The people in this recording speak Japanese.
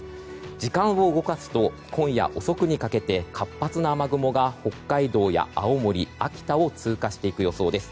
時間を動かすと今夜遅くにかけて活発な雨雲が北海道や青森秋田を通過していく予想です。